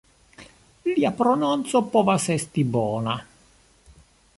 Lia prononco povas esti bona.